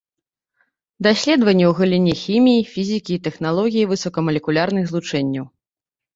Даследаванні ў галіне хіміі, фізікі і тэхналогіі высокамалекулярных злучэнняў.